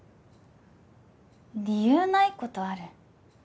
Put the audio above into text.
理由ないことある？